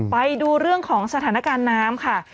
ไปดูเรื่องของสถานการณ์น้ำค่ะ